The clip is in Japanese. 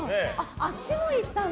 足もいったんだ。